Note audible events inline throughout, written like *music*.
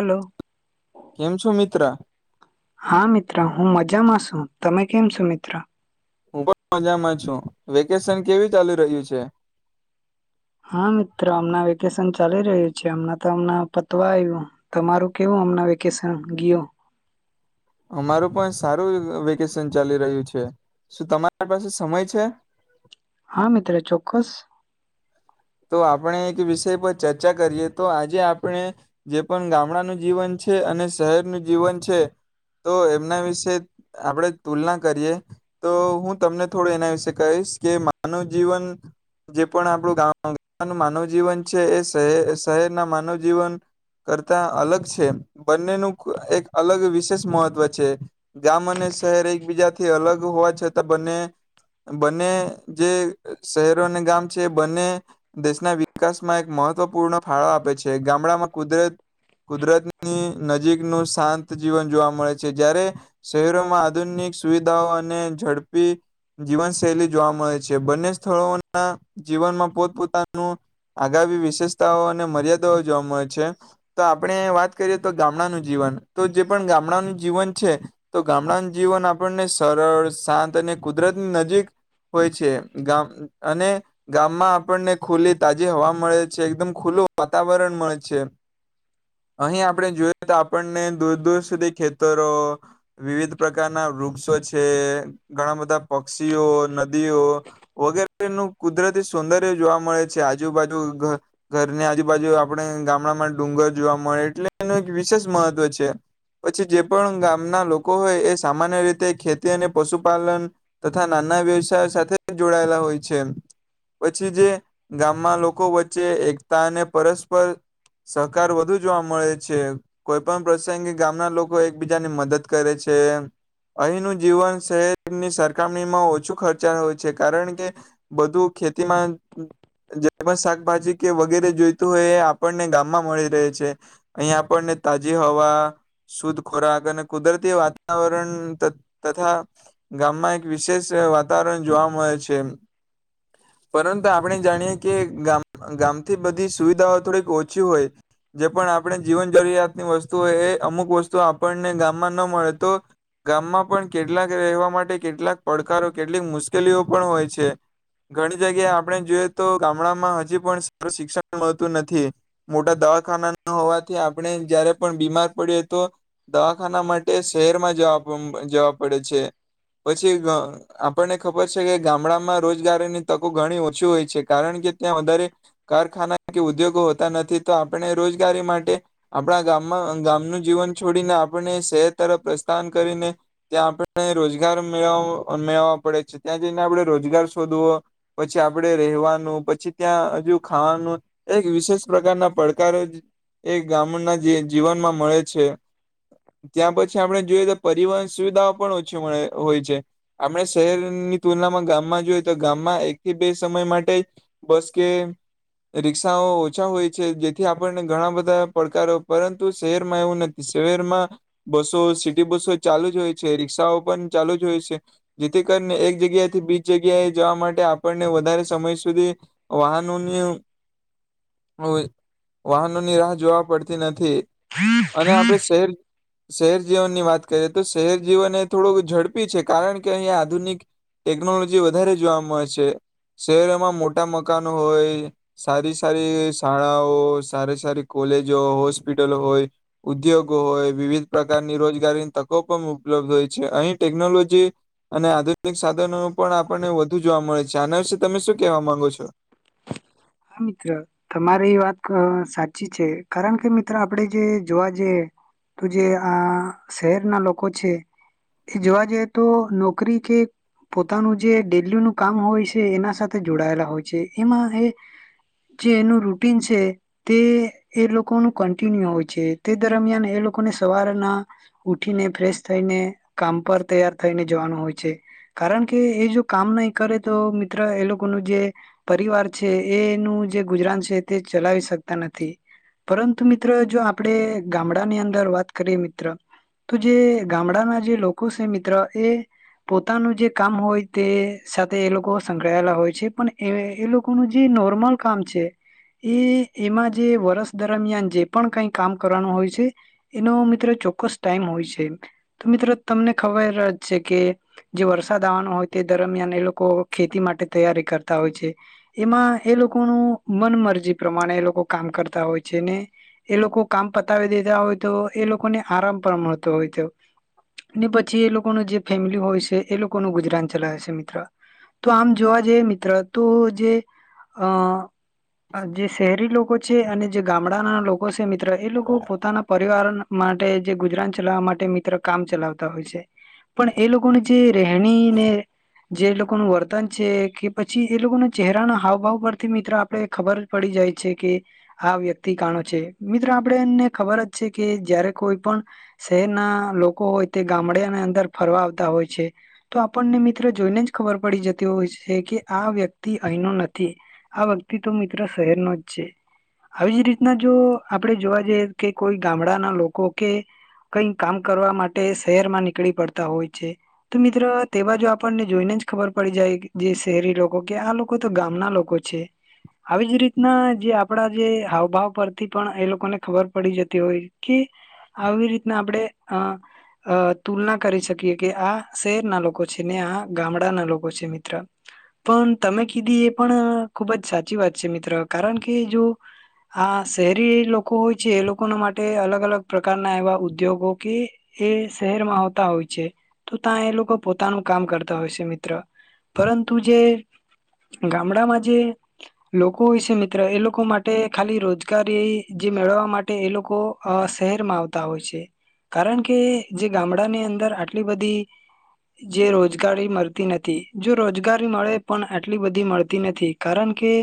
Hello કેમ છો મિત્ર? હા મિત્ર હું મજામાં છું તમે કેમ છો મિત્ર? હું પણ મજામાં છું વેકેશન કેવી ચાલી રહ્યું છે? હા મિત્ર હમના વેકેશન ચાલી રહ્યું છે અમના તો અમના પતવા આવ્યું તમારું કેવું અમના વેકેશન ગીયુ. અમારું પણ સારું વેકેશન ચાલી રહ્યું છે શું તમારા પાસે સમય છે? હા મિત્રો ચોક્કસ. તો આપણે એક વિષય પર ચર્ચા કરીએ તો આજે આપણે જે પણ ગામડાનું જીવન છે અને શહેરનું જીવન છે તો એમના વિશે આપણે તુલના કરીએ તો હું તમને થોડું એના વિશે કહીશ કે માનવ જીવન જે પણ આપણું ગામ માનવ જીવન છે એ શહે શહેરના માનવ જીવન કરતા અલગ છે બંનેનું એક અલગ વિશેષ મહત્વ છે ગામ અને શહેર એકબીજાથી અલગ હોવા છતાં બંને બંને જે શહેરો અને ગામ છે બંને દેશના વિકાસમાં એક મહત્વપૂર્ણ ફાળો આપે છે ગામડામાં કુદરત કુદરતની નજીકનું શાંત જીવન જોવા મળે છે જ્યારે શહેરોમાં આધુનિક સુવિધાઓ અને ઝડપી જીવનશૈલી જોવા મળે છે બંને સ્થળોના જીવનમાં પો પોત આગામી વિશેષતાઓ અને મર્યાદાઓ જોવા મળે છે તો આપણે વાત કરીએ તો ગામડાનું જીવન તો જે પણ ગામડાનું જીવન છે તો ગામડાનું જીવન આપણને સરળ શાંત અને કુદરતની નજીક હોય છે અને ગામમાં આપ ખુલ્લી તાજી હવા મળે છે એકદમ ખુલ્લું વાતાવરણ મળે છે અહીં આપણે જોઈએ તો આપણને દૂર દૂર સુધી ખેતરો વિવિધ પ્રકારના વૃક્ષો છે ઘણા બધા પક્ષીઓ નદીઓ વગેરેનું કુદરતી સૌંદર્ય જોવા મળે છે આજુબાજુ ઘરની આજુબાજુ આપણે ગામડામાં ડુંગર જોવા મળે એટલે એનું એક વિશેષ મહત્વ છે પછી જે પણ ગામના લોકો હોય એ સામાન્ય રીતે ખેતી અને પશુપાલન તથા નાના વ્યવસાય સાથે જોડાયેલા હોય છે. પછી જે ગામમાં લોકો વચ્ચે એકતા અને પરસ્પર સહકાર વધુ જોવા મળે છે કોઈ પણ પ્રસંગે ગામના લોકો એકબીજાની મદદ કરે છે અહીંનું જીવન શહેરની સરખામણીમાં ઓછું ખર્ચા હોય છે કારણ કે બધું ખેતી જે પણ શાકભાજી કે વગેરે જોઈતું હોય એ આપણને ગામમાં મળી રહે છે અહીં આપણને તાજી હવા શુદ્ધ ખોરાક અને કુદરતી વાતાવરણ તથા ગામમાં એક વિશેષ વાતાવરણ જોવા મળે છે. પરંતુ આપણે જાણીએ કે ગામ ગામથી બધી સુવિધાઓ થોડીક ઓછી હોય જે પણ આપણે જીવન જરૂરિયાતની વસ્તુ હોય એ અમુક વસ્તુ આપણને ગામમાં ન મળે તો ગામમાં પણ કેટલાક રહેવા માટે કેટલાક પડકારો કેટલીક મુશ્કેલીઓ પણ હોય છે. ઘણી જગ્યાએ આપણે જોઈએ તો ગામડામાં હજી પણ સારું શિક્ષણ મળતું નથી મોટા દવાખાના ન હોવાથી આપણે જયારે પણ બીમાર પડીએ તો દવાખાના માટે શહેરમાં જવા જવા પડે છે પછી આપણને ખબર છે કે ગામડામાં રોજગારીની તકો ઘણી ઓછી હોય છે કારણ કે ત્યાં વધારે કારખાના કે ઉદ્યોગો હોતા નથી તો આપણે રોજગારી માટે આપણા ગામમાં ગામનું જીવન છોડીને આપને શહેર તરફ પ્રસ્થાન કરીને ત્યાં આપણે રોજગાર મેળવ મેળવવા પડે છે ત્યાં જઈને આપણે રોજગાર શોધવો પછ આપણે રહેવાનું પછી ત્યાં હજુ ખાવાનું એક વિશેષ પ્રકારના પડકાર એ ગામના જીવનમાં મળે છે ત્યાં પછી આપણે જોઈએ તો પરિવહન સુવિધાઓ પણ ઓછી હોય છે આપણે શહેરની તુલનામાં ગામમાં જોઈએ તો ગામમાં એક બે સમય માટે બસ કે રિક્ષાઓ ઓછા હોય છે જેથી આપણને ઘણા બધા પડકારો પરંતુ શહેરમાં એવું નથી શહેરમાં બસો સિટી બસો ચાલુ જ હોય છે રિક્ષાઓ પણ ચાલુ જ હોય છે જેથી કરીને એક જગ્યા થી બીજ જગ્યાએ જવા માટે આપને વધારે સમય સુધી વાહનોની વાહનોની રાહ જોવા પડતી નથી. અને આપડે શહેર શહેર જીવનની વાત કરીએ તો શહેર જીવન એ થોડુંક ઝડપી છે કારણ કે અહીયા આધુનિક ટેકનોલોજી વધારે જોવા મળે છે. શહેરોમાં મોટા મકાનો હોય સારી સારી શાળાઓ સારી સારી કોલેજો હોસ્પિટલો હોય ઉદ્યોગો હોય વિવિધ પ્રકારની રોજગારીની તકો પણ ઉપલબ્ધ હોય છે અહીં ટેકનોલોજી અને આધુનિક સાધનો પણ આપણને વધુ જોવા મળે છે. છાના વિશે તમે શું કેવા માંગો છો? હા મિત્ર તમારી એ વાત સાચી છે કારણ કે મિત્ર આપડે જે જોવા જઈએ તો જે આ શહેર ના લોકો છે એ જોવા જઈ તો નોકરી કે પોતાનું જે ડેલીનું કામ હોય છે એના સાથે જોડાયેલા હોય છે. એમાં એ જે એનું રૂટીન છે તે એ લોકોનું કન્ટિન્યુ હોય છે તે દરમિયાન એ લોકોને સવારના ઉઠીને ફ્રેશ થઈને કામ પર તૈયાર થઈને જવાનું હોય છે કારણ કે એ જો કામ નહી કરે તો મિત્ર એ લોકોનું જે પરિવાર છે એનું જે ગુજરાન છે તે ચલાવી શકતા નથી પરંતુ મિત્ર જો આપણેે ગામડાની અંદર વાત કરીએ મિત્ર તો જે ગામડાના જે લોકો છે મિત્ર એ પોતાનું જે કામ હોય તે સાથે એ લોકો સંકળાયેલા હોય છે પણ એ એ લોકોનું જે નોર્મલ કામ છે એ એમાં જે વરષ દરમિયાન જે પણ કઈ કામ કરવાનું હોય છે એનો મિત્રો ચોક્કસ ટાઈમ હોય છે તો મિત્રો તમને ખબર જ છે કે જે વરસાદ આવવાનો હોય તે દરમિયાન એ લોકો લોકો ખેતી માટે તૈયારી કર ત હોય છે એમાં એ લોકોનું મન મરજી પ્રમાણે એ લોકો કામ કરતા હોય છે ને એ લોકો કામ પતાવી દેતા હોય તો એ લોકોને આરામ પણ મળતો હોય તો ને પછી એ લોકોનું જે ફેમિલી હોય છે એ લોકોનું ગુજરાન ચલાવે છે મિત્ર તો આમ જોવા જઈએ મિત્ર તો જે અ જે શહેરી લોકો છે અને જે ગામડાના લોકો છે મિત્ર એ લોકો પોતાના પરિવાર માટે જે ગુજરાન ચલાવવા માટે મિત્ર કામ ચલાવતા હોય છે પણ એ લોકોને જે રહેણીને જે લોકો કો નું વર્તન છે કે પછી એ લોકોના ચહેરાના હાવભાવ પરથી મિત્ર આપણે ખબર જ પડી જાય છે કે આ વ્યક્તિ કણો છે મિત્ર આપણે એને ખબર જ છે કે જયારે કોઈ પણ શહેરના લોકો હોય તે ગામડાના અંદર ફરવા આવતા હોય છે તો આપણને મિત્ર જોઈને જ ખબર પડી જતી હોય છે કે આ વ્યક્તિ અહીનો નથી આ વ્યક્તિ તો મિત્ર શહેરનો જ છે આવી જ રીતના જો આપણે જોવા જઈએ કે કોઈ ગામડાના લોકો કે કઈ કામ કરવા માટે શહેરમાં નીકળી પડતા હોય છે તો મિત્ર તેવા જો આપણને જોઈને જ ખબર પડી જાય જે શહેરી લોકો કે આ લોકો તો ગામના લોકો છે આવી જ રીતના જે આપડા જે હાવભાવ પરથી પણ એ લોકોને ખબર પડી જતી હોય કે આવી રીતના આપડે અ અ તુલના કરી શકીએ કે આ શહેરના લોકો છે ને આ ગામડાના લોકો છે મિત્ર પણ તમે કીધી એ પણ ખુબ જ સાચી વાત છે મિત્ર કારણ કે જો આ શહેરી લોકો હોય છે એ લોકોના માટે અલગ-અલગ પ્રકારના એવા ઉદ્યોગો કે એ શહેરમાં આવતા હોય છે તો ત્યાં એ લોકો પોતાનું કામ કરતા હોય છે મિત્ર. પરંતુ જે ગામડામાં જે લોકો હોય છે મિત્ર એ લોકો માટે ખાલી રોજગારી જે મેળવવા માટે એ લોકો અ શહેરમાં આવતા હોય છે કારણ કે જે ગામડાની અંદર આટલી બધી જે રોજગારી મળતી નથી. જો રોજગાર મળે પણ આટલી બધી મળતી નથી કારણ કે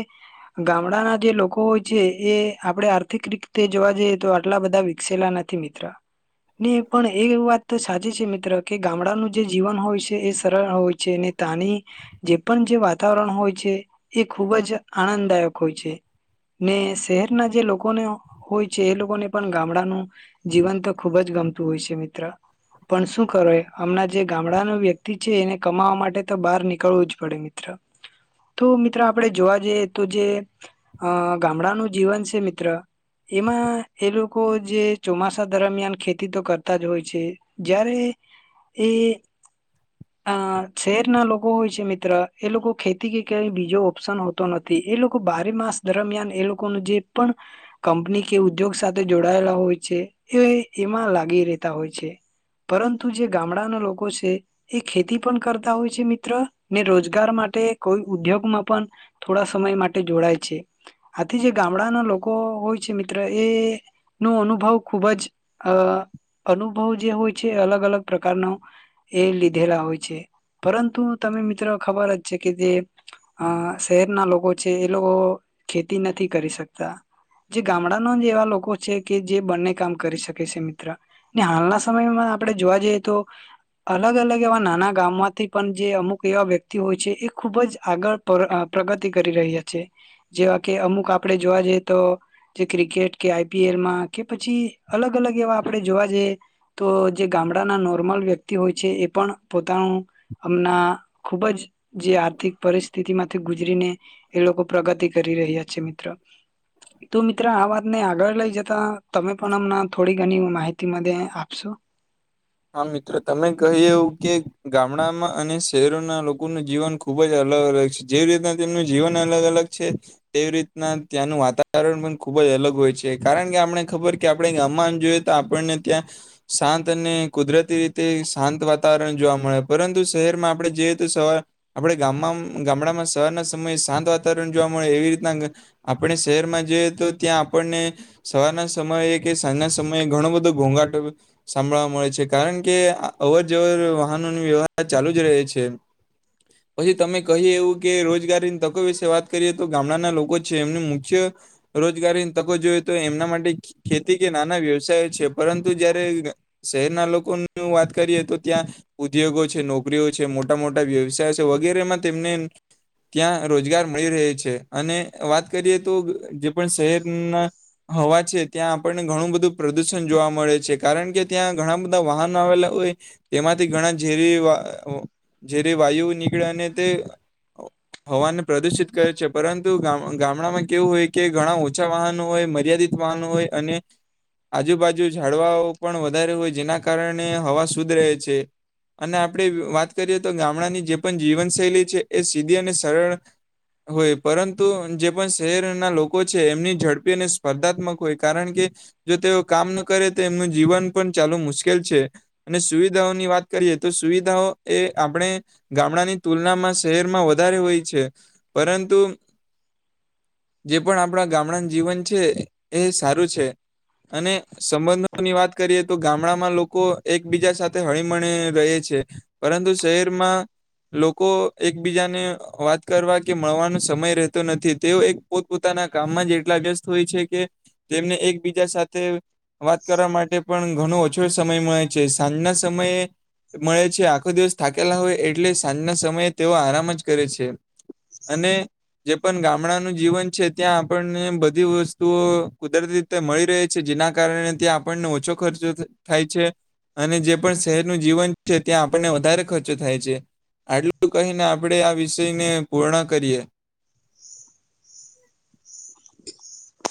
ગામડાના જે લોકો હોય છે એ આપડે આર્થિક રીતે જોવા જઈએ તો આટલા બધા વિકસેલા નથી મિત્ર. ને પણ એ વાત તો સાચી છે મિત્ર મિત્ર કે ગામડાનું જે જીવન હોય છે એ સરળ હોય છે ને તાની જે પણ જે વાતાવરણ હોય છે એ ખૂબ જ આનંદદાયક હોય છે ને શહેરના જે લોકોને હોય છે એ લોકોને પણ ગામડાનું જીવન તો ખૂબ જ ગમતું હોય છે મિત્ર પણ શું કરો હમણાં જે ગામડાનો વ્યક્તિ છે એને કમાવા માટે તો બહાર નીકળવું જ પડે મિત્ર તો મિત્ર આપણે જોવા જઈએ તો જે અ ગામડાનું જીવન છે મિત્ર એમાં એલો લોકો જે ચોમાસા દરમિયાન ખેતી તો કરતા જ હોય છે જય્યારે એ આ શહેર ના લોકો હોય છે મિત્ર એ લોકો ખેતી કે કય બીજો ઓપ્શન હોતો નથી એ લોકો બારે માસ દરમિયાન એ લોકો ન જે પણ કંપની કે ઉદ્યોગ સાથે જોડાયેલા હોય છે. એ એમાં લાગ ગી રેતા હોય છે પરંતુ જે ગામડાના લોકો છે એ ખેતી પણ કર કરતા હોય છે મિત્ર ને રોજગાર માટે કોઈ ઉદ્યોગમાં પણ થોડા સમય માટે જોડાય છે, આથી જે ગામડાના લોકો હોય છે મિત્ર એ નો અનુભવ ખુબ જ અ અનુભવ જે હોય છે, અલગ-અલગ પ્રકારના એ લીધેલા હોય છે. પરંતુ તમે મિત્ર ખબર જ છે કે જે અ શહેરના લોકો છે એ લોકો ખેતી નથી કરી શકતા જે ગામડાનો જ એવા લોકો છે કે જે બંને કામ કરી શકે છે, મિત્ર ને હાલના સમયમાં આપણે જોવા જઈએ તો અલગ-અલગ એવા નાના ગામમાંથી પણ જે અમુક એવા વ્યક્તિ હોય છે એ ખુબ જ આગળ પ્રગ પ્રગતિ કરી રહ્યા છે જેવા કે અમુક આપણે જોવા જઈએ તો જે ક્રિકેટ કે આઈપીએલમાં કે પછી અલગ-અલગ એવા આપણે જોવા જઈએ તો જે ગામડાના નોર્મલ વ્યક્તિ હોય છે, એ પણ પોતાનું અમના ખુબ જ જે આર્થિક પરિસ્થિતિ માંથી ગુજરીને એ લોકો પ્રગતિ કરી રહ્યા છે મિત્ર તો મિત્ર આ વાતને આગળ લઈ જતા તમે પણ અમ થોડી ઘણી માહિતી મને આપશો. હા મિત્ર તમે કહ્યું કે ગામડામાં અને શહેરોના લોકોનું જીવન ખૂબ જ અલગ-અલગ છે જેવી રીતના તેમનું જીવન અલગ-અલગ છે તેવી રીતના ત્યાંનું વાતાવરણ પણ ખૂબ જ અલગ હોય છે, કારણ કે આપણે ખબર કે આપણે ગામમાં જોઈએ તો આપણને ત્યાં શાંત અને કુદરતી રીતે શાંત વાતાવરણ જોવા મળે પરંતુ શહેરમાં આપણે જઈએ તો સવાર આપણે ગામમાં ગામડામાં સવારના સમયે શાંત વાતાવરણ જોવા મળે એવી રીતના આપણે શહેરમાં જઈએ તો ત્યાં આપણને સવારના સમયે કે સાંજના સમયે ઘણો બધો ઘોંઘાટો સાંભળવા મળે છે. કારણ કે અવર જવર વાહનોની વ્યવહાર ચાલુ જ રહે છે પછી તમે કહી એવું કે રોજગારીની તકો વિશે વાત કરીએ તો ગામડાના લોકો છે એમની મુખ્ય રોજગારીની તકો જોઈએ તો એમના માટે ખેતી કે નાના વ્યવસાય છે. પરંતુ જયારે શહેરના લોકો વાત કરીએ તો ત્યાં ઉદ્યોગો છે નોકરીઓ છે મોટા મોટા વ્યવસાય છે. વગેરેમાં તેમને ત્યાં રોજગાર મળી રહે છે, અને વાત કરીએ તો જે પણ શહેર ના હવા છે ત્યાં આપણને ઘણું બધું પ્રદુષણ જોવા મળે છે કારણ કે ત્યાં ઘણા બધા વાહનો આવેલા હોય તેમાંથી ઘણા ઝેરી ઝેરી વાયુ નીકળે અને તે હવાને પ્રદુષિત કરે છે પરંતુ ગામ ગામડામાં કેવું હોય કે ઘણા ઓછા વાહનો હોય મર્યાદિત વાહનો હોય અને આજુબાજુ ઝાડવાઓ પણ વધારે હોય જેના કારણે હવા શુદ્ધ રહે છે. અને આપણે વાત કરીએ તો ગામડાની જે પણ જીવનશૈલી છે એ સીધી અને સરળ હોય પરંતુ જે પણ શહેરના લોકો છે એમની ઝડપી અને સ્પર્ધાત્મક હોય કારણ કે જો તેઓ કામ ન કરે તો એમનું જીવન પણ ચાલવું મુશ્કેલ કે છે અને સુવિધાઓની વાત કરીએ તો સુવિધાઓ એ આપણે ગામડાની તુલનામાં શહેરમાં વધારે હોય છે પરંતુ જે પણ આપણા ગામડા જીવન છે એ સારું છે અને સંબંધોની વાત કરીએ તો ગામ ગામડામાં લોકો એકબીજા સાથે હળમળીને રહે છે. પરંતુ શહેરમાં લોકો એકબીજાને વાત કરવા કે મળવાનો સમય રહેતો નથી તેઓ એક પોતપોતાના કામમાં જ એટલા વ્યસ્ત હોય છે કે તેમને એકબીજા સાથે વાત કરવા માટે પણ ઘણું સમય મળે છે સાંજના સમયે મળે છે આખો દિવસ થાકેલા હોય એટલે સાંજના સમયે તેઓ આરામ જ કરે છે અને જે પણ ગામડાનું જીવન છે ત્યાં આપણને બધી વસ્તુઓ કુદરતી રીતે મળી રહે છે જેના કારણે ત્યાં આપણને ઓછો ખર્ચો થાય છે અને જે પણ શહેરનું જીવન છે ત્યાં આપણને વધારે ખર્ચો થાય છે આટલું કહીને આપણે આ વિષયને પૂર્ણ કરીએ. *unintelligible* *unintelligible*